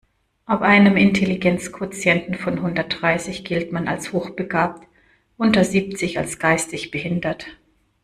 Ab einem Intelligenzquotienten von hundertdreißig gilt man als hochbegabt, unter siebzig als geistig behindert.